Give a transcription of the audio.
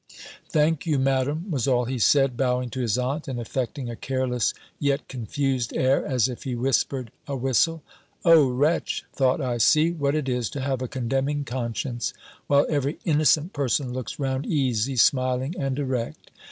"Thank you, Madam," was all he said, bowing to his aunt, and affecting a careless yet confused air, as if he whispered a whistle. "O, wretch!" thought I, "see what it is to have a condemning conscience; while every innocent person looks round easy, smiling, and erect!"